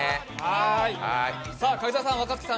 柿澤さん若槻さん